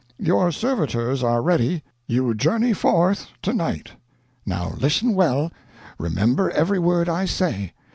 Your servitors are ready you journey forth to night. "Now listen well. Remember every word I say.